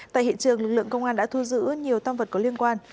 tại hiện trường lực lượng công an đã thu giữ nhiều tam vật có liên quan